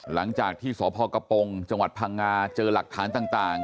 หลังจากที่สพกระปงจังหวัดพังงาเจอหลักฐานต่าง